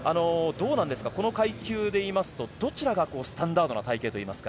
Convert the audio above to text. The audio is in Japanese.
この階級でいいますとどちらがスタンダードな体形ですか？